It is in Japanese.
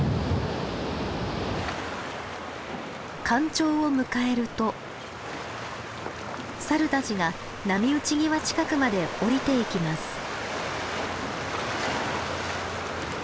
干潮を迎えるとサルたちが波打ち際近くまで下りていきます。